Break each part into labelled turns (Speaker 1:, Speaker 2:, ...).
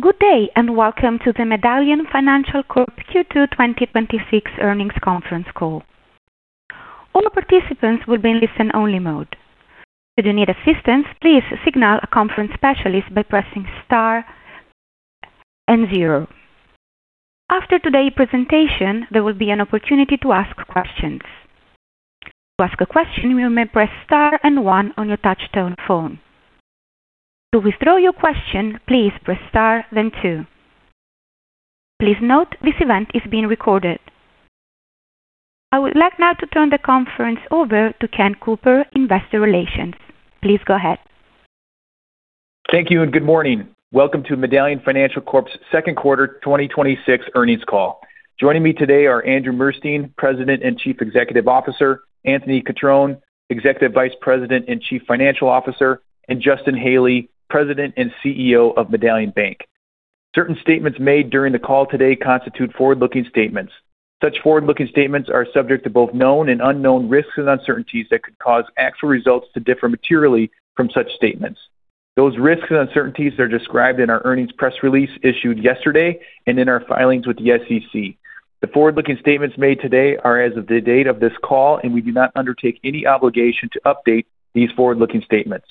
Speaker 1: Good day. Welcome to the Medallion Financial Corp Q2 2026 earnings conference call. All participants will be in listen-only mode. Should you need assistance, please signal a conference specialist by pressing star and zero. After today's presentation, there will be an opportunity to ask questions. To ask a question, you may press star and one on your touchtone phone. To withdraw your question, please press star, then two. Please note this event is being recorded. I would like now to turn the conference over to Ken Cooper, investor relations. Please go ahead.
Speaker 2: Thank you. Good morning. Welcome to Medallion Financial Corp's second quarter 2026 earnings call. Joining me today are Andrew Murstein, President and Chief Executive Officer, Anthony Cutrone, Executive Vice President and Chief Financial Officer, and Justin Haley, President and CEO of Medallion Bank. Certain statements made during the call today constitute forward-looking statements. Such forward-looking statements are subject to both known and unknown risks and uncertainties that could cause actual results to differ materially from such statements. Those risks and uncertainties are described in our earnings press release issued yesterday and in our filings with the SEC. The forward-looking statements made today are as of the date of this call, and we do not undertake any obligation to update these forward-looking statements.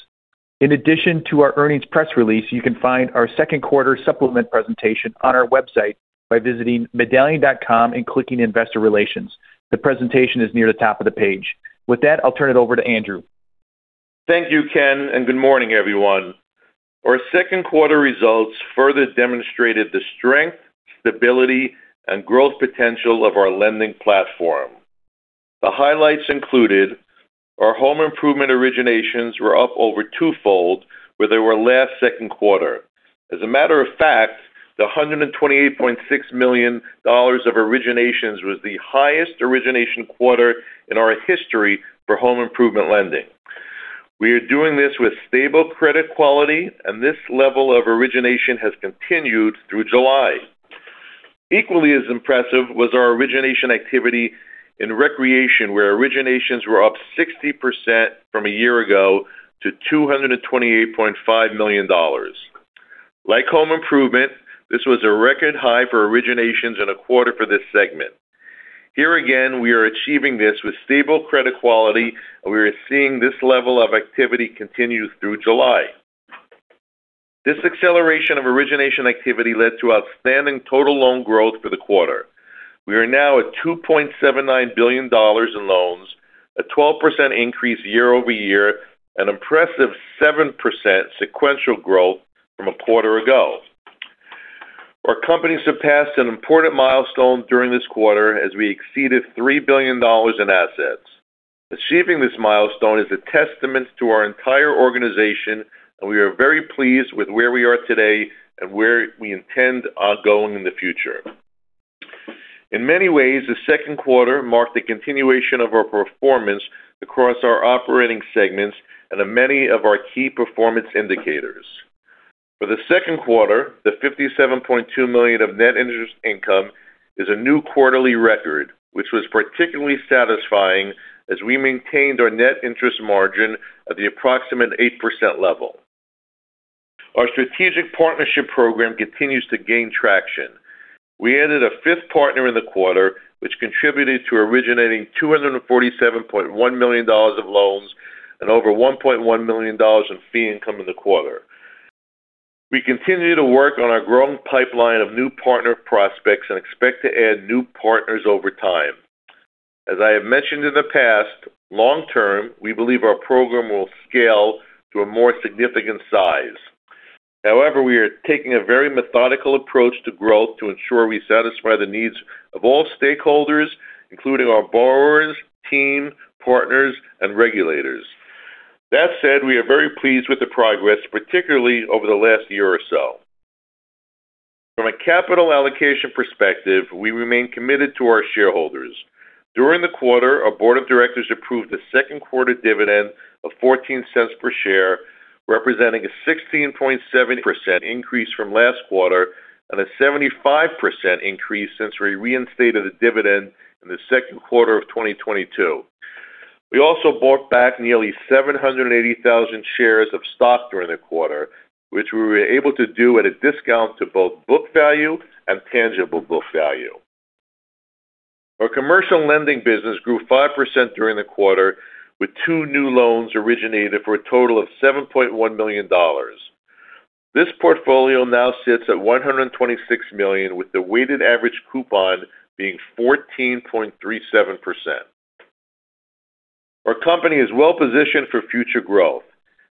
Speaker 2: In addition to our earnings press release, you can find our second-quarter supplement presentation on our website by visiting medallion.com and clicking Investor Relations. The presentation is near the top of the page. With that, I'll turn it over to Andrew.
Speaker 3: Thank you, Ken. Good morning, everyone. Our second quarter results further demonstrated the strength, stability, and growth potential of our lending platform. The highlights included our home improvement originations were up over twofold where they were last second quarter. As a matter of fact, the $128.6 million of originations was the highest origination quarter in our history for home improvement lending. We are doing this with stable credit quality, and this level of origination has continued through July. Equally as impressive was our origination activity in recreation, where originations were up 60% from a year ago to $228.5 million. Like home improvement, this was a record high for originations in a quarter for this segment. Here again, we are achieving this with stable credit quality, and we are seeing this level of activity continue through July. This acceleration of origination activity led to outstanding total loan growth for the quarter. We are now at $2.79 billion in loans, a 12% increase year-over-year, an impressive 7% sequential growth from a quarter ago. Our company surpassed an important milestone during this quarter as we exceeded $3 billion in assets. Achieving this milestone is a testament to our entire organization, and we are very pleased with where we are today and where we intend on going in the future. In many ways, the second quarter marked the continuation of our performance across our operating segments and many of our key performance indicators. For the second quarter, the $57.2 million of net interest income is a new quarterly record, which was particularly satisfying as we maintained our net interest margin at the approximate 8% level. Our strategic partnership program continues to gain traction. We added a fifth partner in the quarter, which contributed to originating $247.1 million of loans and over $1.1 million of fee income in the quarter. We continue to work on our growing pipeline of new partner prospects and expect to add new partners over time. As I have mentioned in the past, long-term, we believe our program will scale to a more significant size. We are taking a very methodical approach to growth to ensure we satisfy the needs of all stakeholders, including our borrowers, team, partners, and regulators. That said, we are very pleased with the progress, particularly over the last year or so. From a capital allocation perspective, we remain committed to our shareholders. During the quarter, our board of directors approved the second quarter dividend of $0.14 per share, representing a 16.7% increase from last quarter and a 75% increase since we reinstated the dividend in the second quarter of 2022. We also bought back nearly 780,000 shares of stock during the quarter, which we were able to do at a discount to both book value and tangible book value. Our commercial lending business grew 5% during the quarter, with two new loans originated for a total of $7.1 million. This portfolio now sits at $126 million, with the weighted average coupon being 14.37%. Our company is well-positioned for future growth.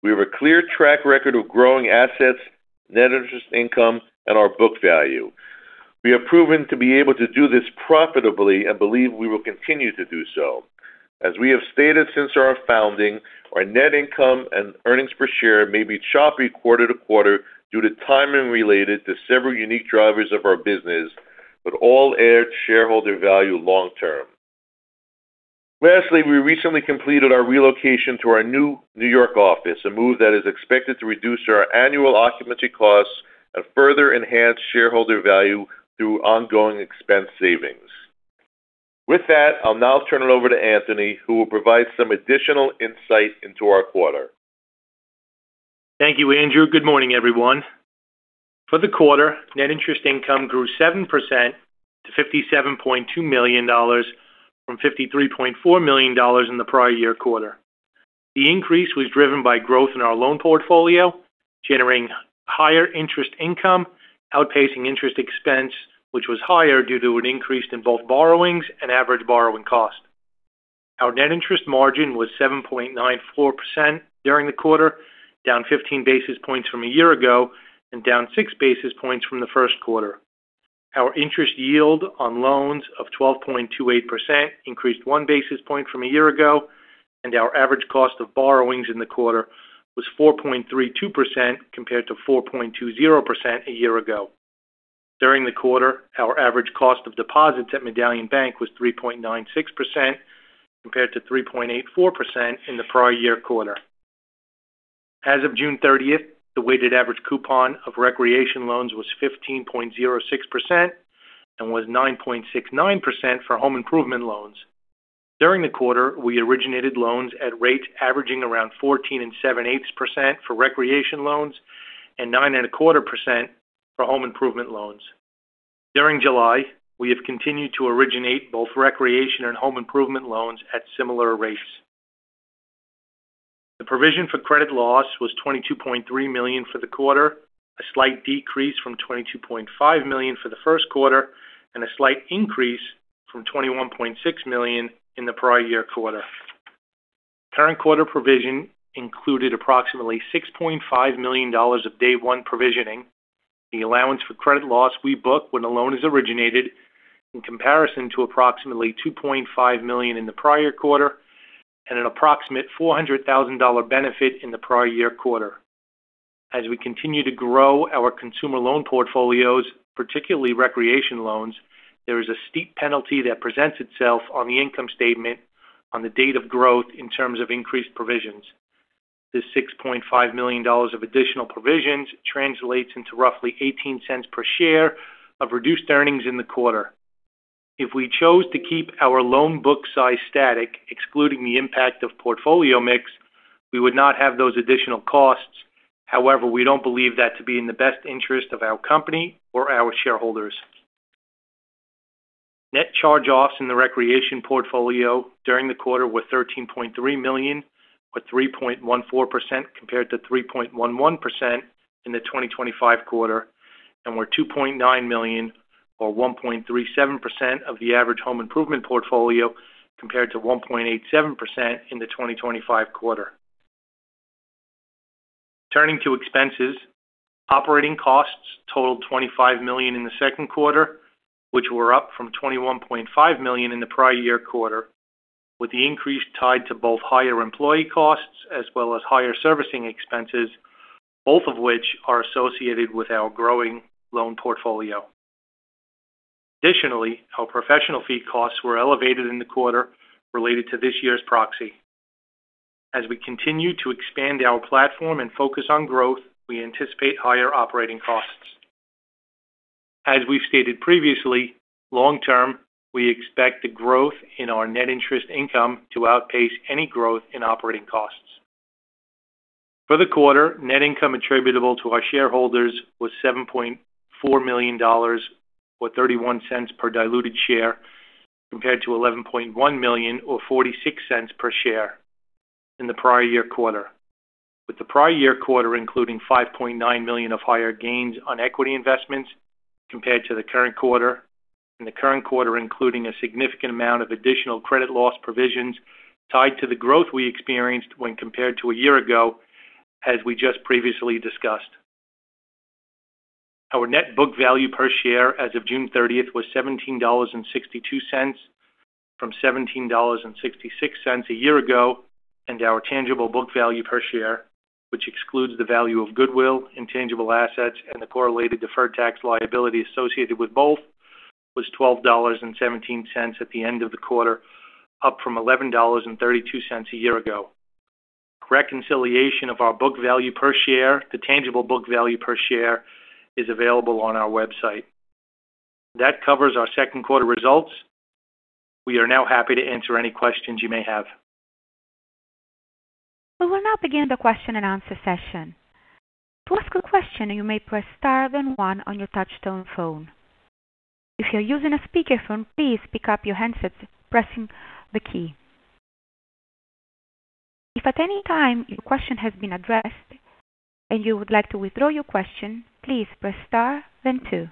Speaker 3: We have a clear track record of growing assets, net interest income, and our book value. We have proven to be able to do this profitably and believe we will continue to do so. As we have stated since our founding, our net income and earnings per share may be choppy quarter-to-quarter due to timing related to several unique drivers of our business, but all add shareholder value long-term. Lastly, we recently completed our relocation to our new New York office, a move that is expected to reduce our annual occupancy costs and further enhance shareholder value through ongoing expense savings. With that, I'll now turn it over to Anthony, who will provide some additional insight into our quarter.
Speaker 4: Thank you, Andrew. Good morning, everyone. For the quarter, net interest income grew 7% to $57.2 million from $53.4 million in the prior year quarter. The increase was driven by growth in our loan portfolio, generating higher interest income, outpacing interest expense, which was higher due to an increase in both borrowings and average borrowing cost. Our net interest margin was 7.94% during the quarter, down 15 basis points from a year ago and down six basis points from the first quarter. Our interest yield on loans of 12.28% increased one basis point from a year ago, and our average cost of borrowings in the quarter was 4.32%, compared to 4.20% a year ago. During the quarter, our average cost of deposits at Medallion Bank was 3.96%, compared to 3.84% in the prior year quarter. As of June 30th, the weighted average coupon of recreation loans was 15.06% and was 9.69% for home improvement loans. During the quarter, we originated loans at rates averaging around 14.75% for recreation loans and 9.25% for home improvement loans. During July, we have continued to originate both recreation and home improvement loans at similar rates. The provision for credit loss was $22.3 million for the quarter, a slight decrease from $22.5 million for the first quarter, and a slight increase from $21.6 million in the prior year quarter. Current quarter provision included approximately $6.5 million of day one provisioning. The allowance for credit loss we book when a loan is originated, in comparison to approximately $2.5 million in the prior quarter and an approximate $400,000 benefit in the prior year quarter. As we continue to grow our consumer loan portfolios, particularly recreation loans, there is a steep penalty that presents itself on the income statement on the date of growth in terms of increased provisions. This $6.5 million of additional provisions translates into roughly $0.18 per share of reduced earnings in the quarter. If we chose to keep our loan book size static, excluding the impact of portfolio mix, we would not have those additional costs. However, we don't believe that to be in the best interest of our company or our shareholders. Net charge-offs in the recreation portfolio during the quarter were $13.3 million, or 3.14%, compared to 3.11% in the 2025 quarter, and were $2.9 million or 1.37% of the average home improvement portfolio, compared to 1.87% in the 2025 quarter. Turning to expenses, operating costs totaled $25 million in the second quarter, which were up from $21.5 million in the prior year quarter, with the increase tied to both higher employee costs as well as higher servicing expenses, both of which are associated with our growing loan portfolio. Additionally, our professional fee costs were elevated in the quarter related to this year's proxy. As we continue to expand our platform and focus on growth, we anticipate higher operating costs. As we've stated previously, long-term, we expect the growth in our net interest income to outpace any growth in operating costs. For the quarter, net income attributable to our shareholders was $7.4 million, or $0.31 per diluted share, compared to $11.1 million or $0.46 per share in the prior year quarter, with the prior year quarter including $5.9 million of higher gains on equity investments compared to the current quarter, and the current quarter including a significant amount of additional credit loss provisions tied to the growth we experienced when compared to a year ago, as we just previously discussed. Our net book value per share as of June 30th was $17.62 from $17.66 a year ago, and our tangible book value per share, which excludes the value of goodwill, intangible assets, and the correlated deferred tax liability associated with both, was $12.17 at the end of the quarter, up from $11.32 a year ago. Reconciliation of our book value per share, the tangible book value per share, is available on medallion.com. That covers our second quarter results. We are now happy to answer any questions you may have.
Speaker 1: We will now begin the question and answer session. To ask a question, you may press star, then one on your touchtone phone. If you're using a speakerphone, please pick up your handset pressing the key. If at any time your question has been addressed and you would like to withdraw your question, please press star then two.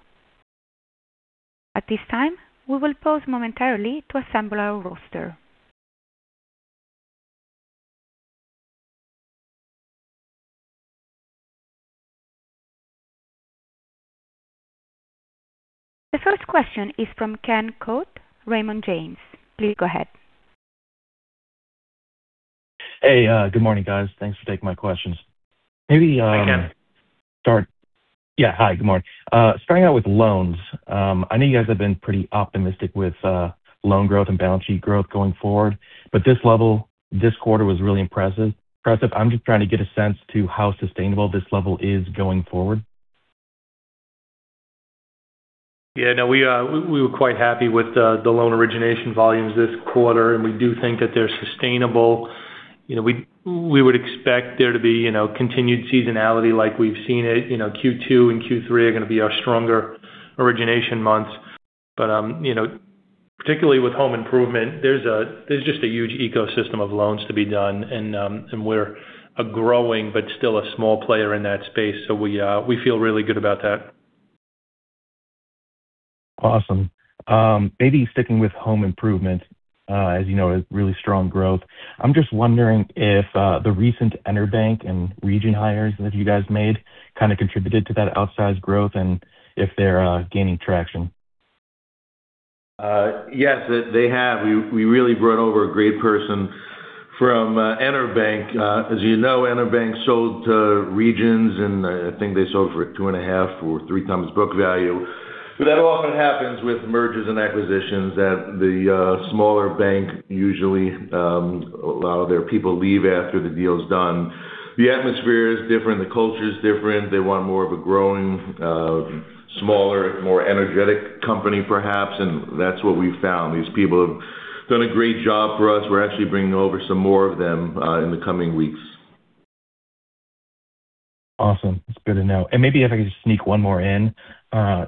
Speaker 1: At this time, we will pause momentarily to assemble our roster. The first question is from Ken Kohut, Raymond James. Please go ahead.
Speaker 5: Hey, good morning, guys. Thanks for taking my questions.
Speaker 3: Hi, Ken.
Speaker 5: Yeah, hi. Good morning. Starting out with loans. I know you guys have been pretty optimistic with loan growth and balance sheet growth going forward, this level this quarter was really impressive. I'm just trying to get a sense to how sustainable this level is going forward.
Speaker 3: Yeah, no, we were quite happy with the loan origination volumes this quarter, and we do think that they're sustainable. We would expect there to be continued seasonality like we've seen it. Q2 and Q3 are going to be our stronger origination months. Particularly with home improvement, there's just a huge ecosystem of loans to be done, and we're a growing but still a small player in that space. We feel really good about that.
Speaker 5: Awesome. Maybe sticking with home improvement, as you know, is really strong growth. I'm just wondering if the recent EnerBank and Regions hires that you guys made kind of contributed to that outsized growth and if they're gaining traction.
Speaker 3: Yes, they have. We really brought over a great person from EnerBank. As you know, EnerBank sold to Regions, and I think they sold for two and a half or three times book value. That often happens with mergers and acquisitions, that the smaller bank usually allow their people leave after the deal's done. The atmosphere is different. The culture is different. They want more of a growing, smaller, more energetic company, perhaps. That's what we've found. These people have done a great job for us. We're actually bringing over some more of them in the coming weeks.
Speaker 5: Awesome. That's good to know. Maybe if I could sneak one more in.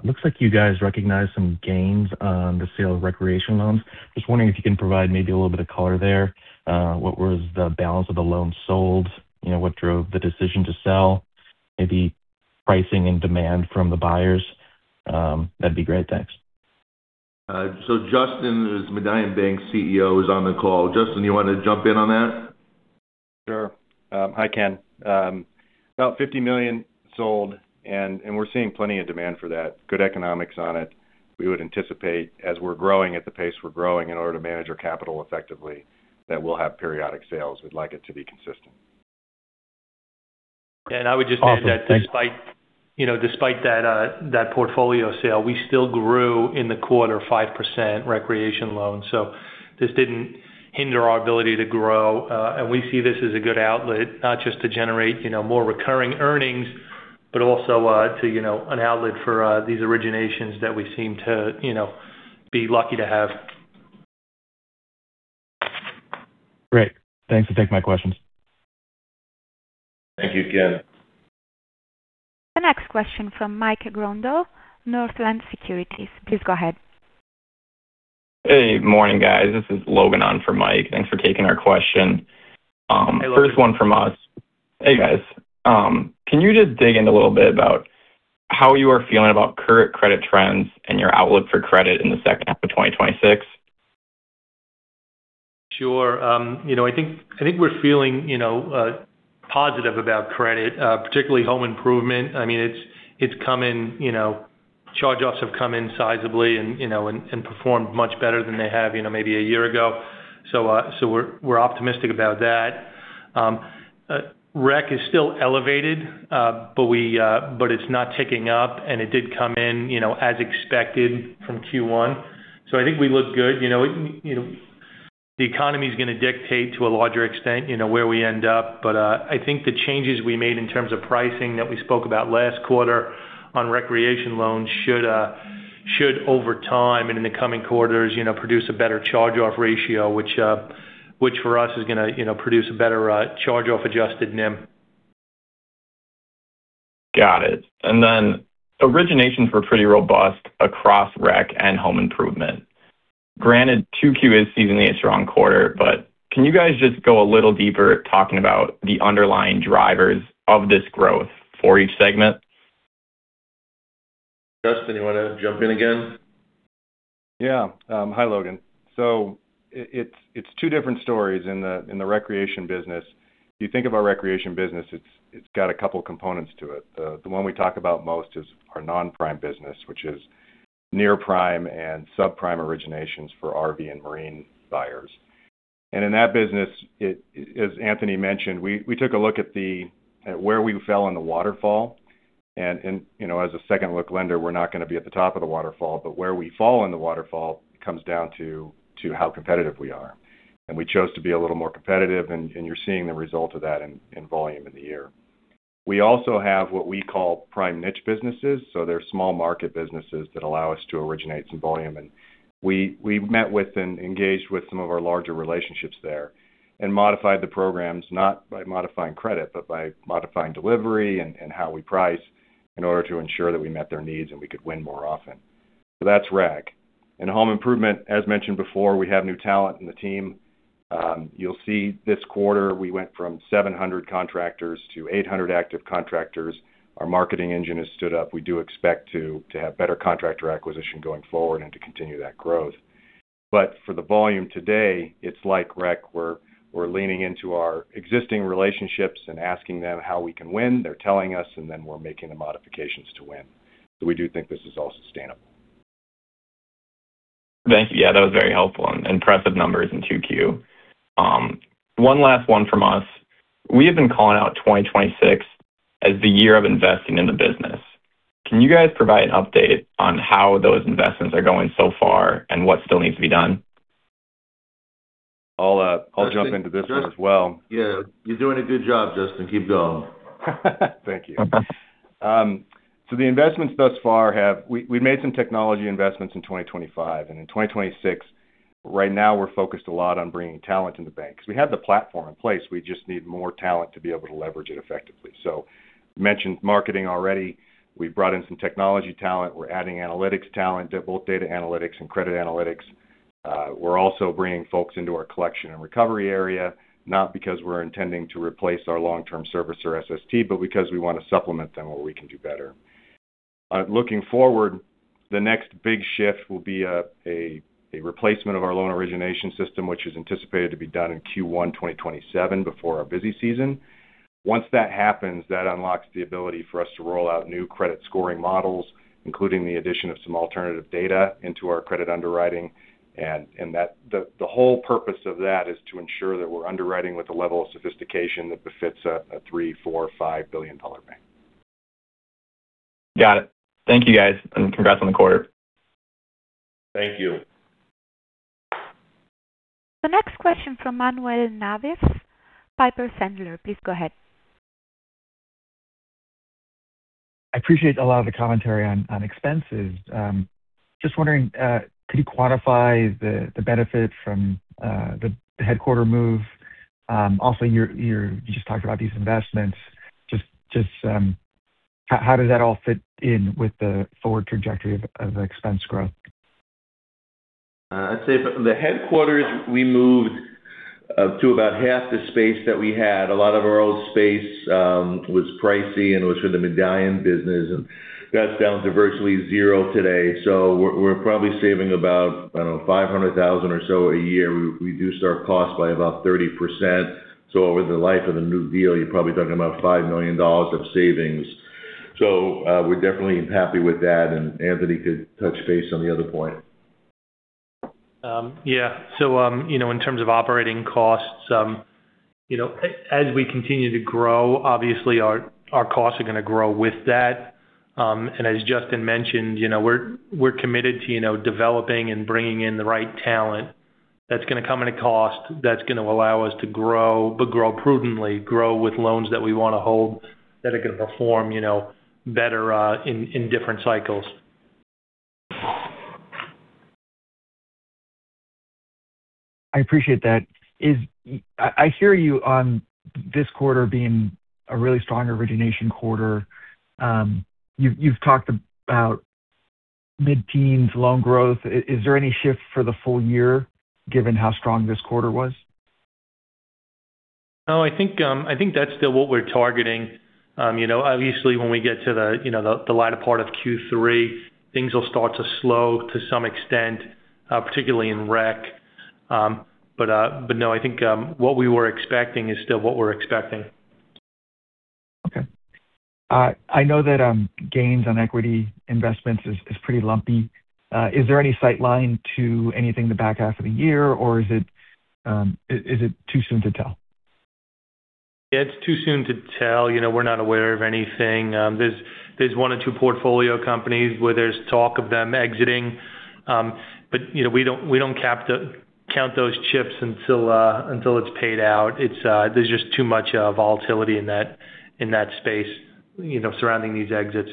Speaker 5: Looks like you guys recognized some gains on the sale of recreation loans. Just wondering if you can provide maybe a little bit of color there. What was the balance of the loans sold? What drove the decision to sell? Maybe pricing and demand from the buyers? That'd be great. Thanks.
Speaker 3: Justin, who's Medallion Bank CEO, is on the call. Justin, you want to jump in on that?
Speaker 6: Sure. Hi, Ken. About $50 million sold, we're seeing plenty of demand for that. Good economics on it. We would anticipate, as we're growing at the pace we're growing in order to manage our capital effectively, that we'll have periodic sales. We'd like it to be consistent.
Speaker 4: I would just add that.
Speaker 5: Awesome. Thanks.
Speaker 4: Despite that portfolio sale, we still grew in the quarter 5% recreation loans. This didn't hinder our ability to grow. We see this as a good outlet, not just to generate more recurring earnings, but also an outlet for these originations that we seem to be lucky to have.
Speaker 5: Great. Thanks for taking my questions.
Speaker 3: Thank you, Ken.
Speaker 1: The next question from Mike Grondahl, Northland Securities. Please go ahead.
Speaker 7: Hey. Morning, guys. This is Logan on for Mike. Thanks for taking our question.
Speaker 4: Hey, Logan.
Speaker 7: First one from us. Hey, guys. Can you just dig in a little bit about how you are feeling about current credit trends and your outlook for credit in the second half of 2026?
Speaker 4: Sure. I think we're feeling positive about credit, particularly home improvement. I mean, charge-offs have come in sizably and performed much better than they have maybe a year ago. We're optimistic about that. Rec is still elevated, but it's not ticking up. It did come in as expected from Q1. I think we look good. The economy's going to dictate to a larger extent where we end up. I think the changes we made in terms of pricing that we spoke about last quarter on recreation loans should, over time and in the coming quarters, produce a better charge-off ratio, which for us is going to produce a better charge-off adjusted NIM.
Speaker 7: Got it. Originations were pretty robust across rec and home improvement. Granted, 2Q is seasonally a strong quarter, can you guys just go a little deeper talking about the underlying drivers of this growth for each segment?
Speaker 3: Justin, you want to jump in again?
Speaker 6: Yeah. Hi, Logan. It's two different stories in the recreation business. If you think of our recreation business, it's got a couple components to it. The one we talk about most is our non-prime business, which is near prime and sub-prime originations for RV and marine buyers. In that business, as Anthony mentioned, we took a look at where we fell in the waterfall. As a second-look lender, we're not going to be at the top of the waterfall, where we fall in the waterfall comes down to how competitive we are. We chose to be a little more competitive, and you're seeing the result of that in volume in the year. We also have what we call prime niche businesses. They're small market businesses that allow us to originate some volume. We met with and engaged with some of our larger relationships there and modified the programs, not by modifying credit, but by modifying delivery and how we price in order to ensure that we met their needs and we could win more often. That's rec. In home improvement, as mentioned before, we have new talent in the team. You'll see this quarter we went from 700 contractors to 800 active contractors. Our marketing engine has stood up. We do expect to have better contractor acquisition going forward and to continue that growth. For the volume today, it's like rec. We're leaning into our existing relationships and asking them how we can win. They're telling us, and then we're making the modifications to win. We do think this is all sustainable.
Speaker 7: Thank you. That was very helpful and impressive numbers in 2Q. One last one from us. We have been calling out 2026 as the year of investing in the business. Can you guys provide an update on how those investments are going so far and what still needs to be done?
Speaker 6: I'll jump into this one as well.
Speaker 3: You're doing a good job, Justin. Keep going.
Speaker 6: Thank you. The investments thus far We made some technology investments in 2025. In 2026, right now we're focused a lot on bringing talent into the bank, because we have the platform in place, we just need more talent to be able to leverage it effectively. We mentioned marketing already. We've brought in some technology talent. We're adding analytics talent, both data analytics and credit analytics. We're also bringing folks into our collection and recovery area, not because we're intending to replace our long-term servicer, SST, but because we want to supplement them where we can do better. Looking forward, the next big shift will be a replacement of our loan origination system, which is anticipated to be done in Q1 2027, before our busy season. Once that happens, that unlocks the ability for us to roll out new credit scoring models, including the addition of some alternative data into our credit underwriting. The whole purpose of that is to ensure that we're underwriting with a level of sophistication that befits a three, four, five billion dollar bank.
Speaker 7: Got it. Thank you guys, and congrats on the quarter.
Speaker 3: Thank you.
Speaker 1: The next question from Manuel Navas, Piper Sandler. Please go ahead.
Speaker 8: I appreciate a lot of the commentary on expenses. Wondering, could you quantify the benefit from the headquarter move? You just talked about these investments. How does that all fit in with the forward trajectory of expense growth?
Speaker 3: I'd say for the headquarters, we moved to about half the space that we had. A lot of our old space was pricey and was for the Medallion business, and that's down to virtually zero today. We're probably saving about, I don't know, $500,000 or so a year. We reduced our cost by about 30%. Over the life of the new deal, you're probably talking about $5 million of savings. We're definitely happy with that. Anthony could touch base on the other point.
Speaker 4: Yeah. In terms of operating costs, as we continue to grow, obviously our costs are going to grow with that. As Justin mentioned, we're committed to developing and bringing in the right talent. That's going to come at a cost. That's going to allow us to grow, but grow prudently, grow with loans that we want to hold, that are going to perform better in different cycles.
Speaker 8: I appreciate that. I hear you on this quarter being a really strong origination quarter. You've talked about mid-teens loan growth. Is there any shift for the full year given how strong this quarter was?
Speaker 4: I think that's still what we're targeting. Obviously, when we get to the latter part of Q3, things will start to slow to some extent, particularly in rec. I think what we were expecting is still what we're expecting.
Speaker 8: Okay. I know that gains on equity investments is pretty lumpy. Is there any sight line to anything in the back half of the year, or is it too soon to tell?
Speaker 4: It's too soon to tell. We're not aware of anything. There's one or two portfolio companies where there's talk of them exiting. We don't count those chips until it's paid out. There's just too much volatility in that space surrounding these exits.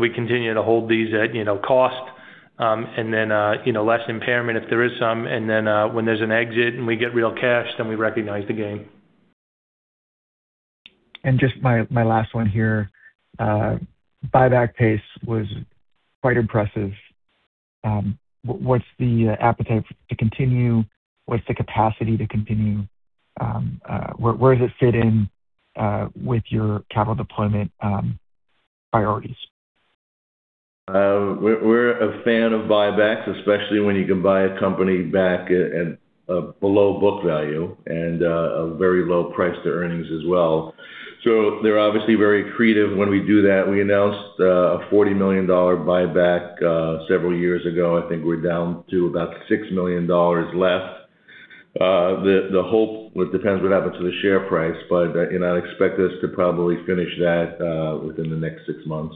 Speaker 4: We continue to hold these at cost, and then less impairment if there is some. When there's an exit and we get real cash, then we recognize the gain.
Speaker 8: Just my last one here. Buyback pace was quite impressive. What's the appetite to continue? What's the capacity to continue? Where does it fit in with your capital deployment priorities?
Speaker 3: We're a fan of buybacks, especially when you can buy a company back at below book value and a very low price to earnings as well. They're obviously very accretive when we do that. We announced a $40 million buyback several years ago. I think we're down to about $6 million left. The hope, well, it depends what happens to the share price. I expect us to probably finish that within the next six months.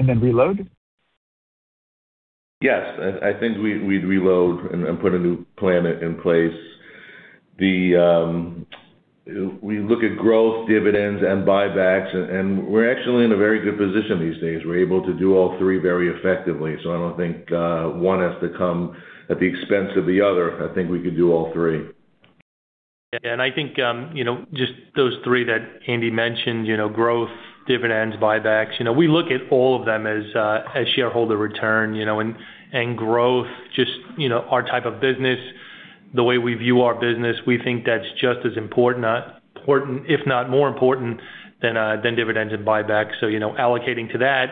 Speaker 8: Reload?
Speaker 3: Yes. I think we'd reload and put a new plan in place. We look at growth dividends and buybacks, we're actually in a very good position these days. We're able to do all three very effectively. I don't think one has to come at the expense of the other. I think we could do all three.
Speaker 4: Yeah. I think just those three that Andy mentioned, growth, dividends, buybacks. We look at all of them as shareholder return. Growth, just our type of business, the way we view our business, we think that's just as important, if not more important, than dividends and buybacks. Allocating to that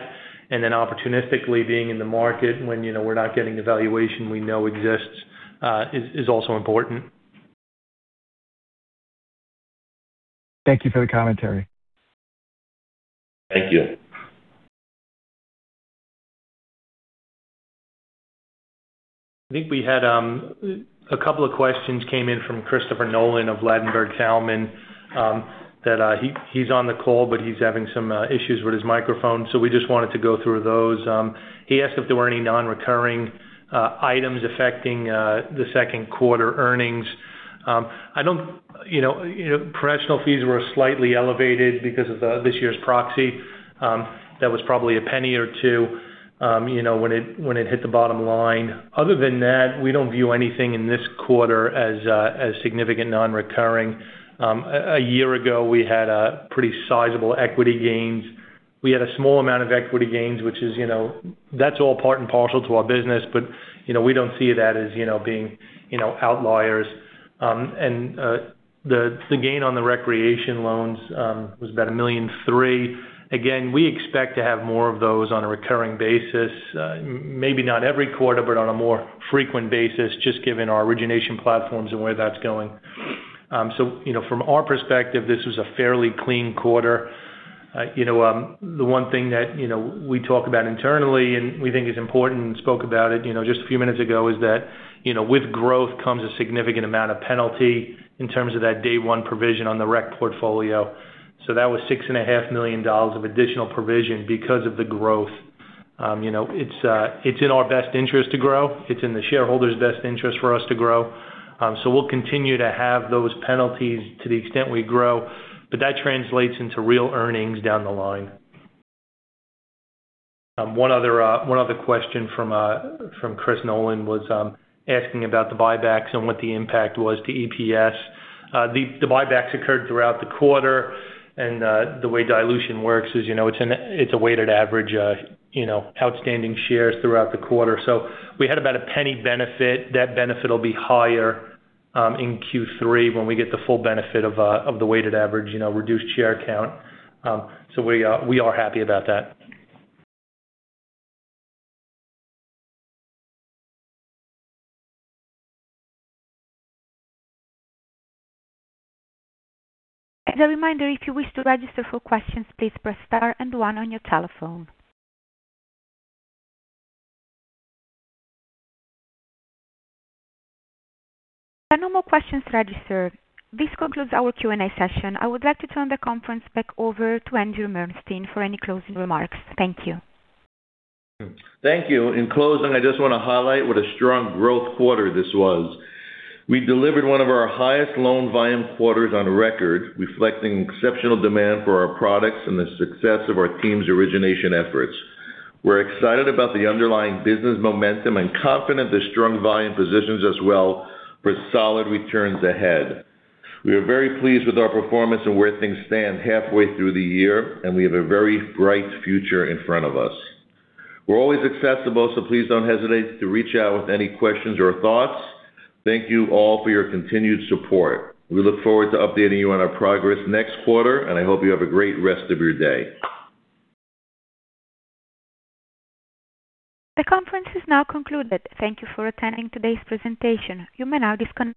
Speaker 4: and then opportunistically being in the market when we're not getting the valuation we know exists, is also important.
Speaker 8: Thank you for the commentary.
Speaker 3: Thank you.
Speaker 4: I think we had a couple of questions came in from Christopher Nolan of Ladenburg Thalmann, that he's on the call, but he's having some issues with his microphone. We just wanted to go through those. He asked if there were any non-recurring items affecting the second quarter earnings. Professional fees were slightly elevated because of this year's proxy. That was probably $0.01 or $0.02 when it hit the bottom line. Other than that, we don't view anything in this quarter as significant non-recurring. A year ago, we had a pretty sizable equity gains. We had a small amount of equity gains, that's all part and parcel to our business, but we don't see that as being outliers. The gain on the recreation loans was about $1,000,003. Again, we expect to have more of those on a recurring basis. Maybe not every quarter, but on a more frequent basis, just given our origination platforms and where that's going. From our perspective, this was a fairly clean quarter. The one thing that we talk about internally and we think is important and spoke about it just a few minutes ago, is that with growth comes a significant amount of penalty in terms of that day one provision on the rec portfolio. That was $6.5 million of additional provision because of the growth. It's in our best interest to grow. It's in the shareholders' best interest for us to grow. We'll continue to have those penalties to the extent we grow. That translates into real earnings down the line. One other question from Chris Nolan was asking about the buybacks and what the impact was to EPS. The buybacks occurred throughout the quarter, and the way dilution works is, it's a weighted average outstanding shares throughout the quarter. We had about a $0.01 benefit. That benefit will be higher in Q3 when we get the full benefit of the weighted average reduced share count. We are happy about that.
Speaker 1: As a reminder, if you wish to register for questions, please press star and one on your telephone. There are no more questions registered. This concludes our Q&A session. I would like to turn the conference back over to Andrew Murstein for any closing remarks. Thank you.
Speaker 3: Thank you. In closing, I just want to highlight what a strong growth quarter this was. We delivered one of our highest loan volume quarters on record, reflecting exceptional demand for our products and the success of our team's origination efforts. We're excited about the underlying business momentum and confident the strong volume positions us well for solid returns ahead. We are very pleased with our performance and where things stand halfway through the year. We have a very bright future in front of us. We're always accessible, please don't hesitate to reach out with any questions or thoughts. Thank you all for your continued support. We look forward to updating you on our progress next quarter. I hope you have a great rest of your day.
Speaker 1: The conference is now concluded. Thank you for attending today's presentation. You may now disconnect.